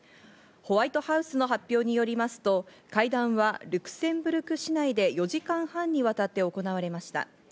ホワイトハウスの発表によりますと、会談はルクセンブルク市内で４時間半にわたって行われました。